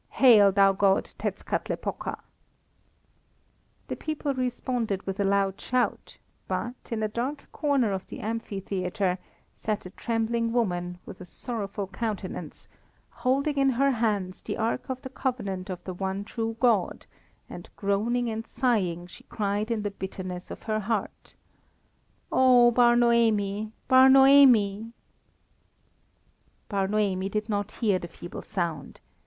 Hail, thou god Tetzkatlepoka!" The people responded with a loud shout; but, in a dark corner of the amphitheatre, sat a trembling woman, with a sorrowful countenance, holding in her hands the Ark of the Covenant of the one true God, and groaning and sighing, she cried in the bitterness of her heart "Oh, Bar Noemi! Bar Noemi!" Bar Noemi did not hear the feeble sound.